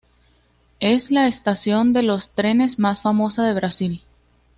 Es la estación de los trenes más famosa de Brasil.